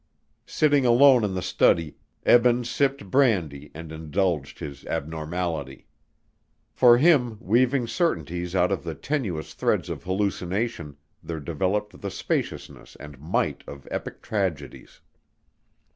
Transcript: Sitting alone in the study, Eben sipped brandy and indulged his abnormality. For him, weaving certainties out of the tenuous threads of hallucination, there developed the spaciousness and might of epic tragedies.